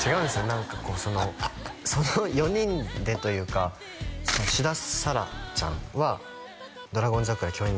何かその４人でというか志田彩良ちゃんは「ドラゴン桜」共演